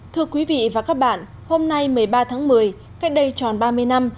thưa quý vị và các bạn hôm nay một mươi ba tháng một mươi cách đây tròn ba mươi năm